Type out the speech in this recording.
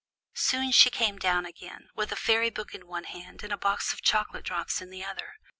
Soon she came down again, with a fairy book in one hand, and a box of chocolate drops in the other.